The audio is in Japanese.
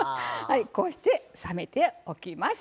そして冷めておきます。